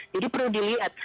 jadi perlu dilihat